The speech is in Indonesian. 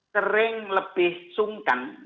sering lebih sungkan